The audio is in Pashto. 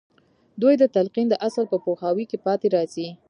دوی د تلقين د اصل په پوهاوي کې پاتې راځي.